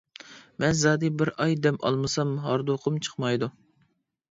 مەن زادى بىر ئاي دەم ئالمىسام ھاردۇقۇم چىقمايدۇ.